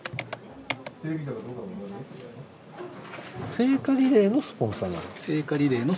聖火リレーのスポンサーなの？